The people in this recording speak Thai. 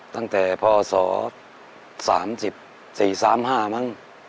ตั้งแต่พศ๓๔๓๕มั้ง